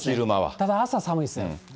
ただ朝寒いですね。